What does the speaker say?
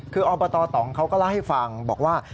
คืออบตตองเขาก็เล่าให้ฟังบอกว่า